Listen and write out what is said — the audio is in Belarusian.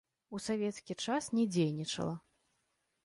У савецкі час не дзейнічала.